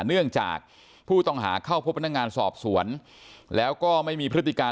เนื่องจากผู้ต้องหาเข้าพบพนักงานสอบสวนแล้วก็ไม่มีพฤติการ